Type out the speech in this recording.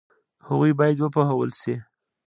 هغوی باید وپوهول شي.